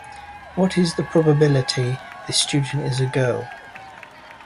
What is the probability this student is a girl?